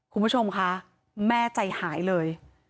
คุณผู้ชมคะแม่ใจหายเลย